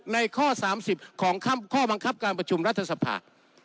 ข้อ๓๐ของข้อบังคับการประชุมรัฐสภา